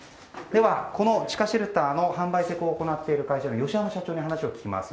この地下シェルターの販売・施工を行っている会社の吉山社長に話を聞きます。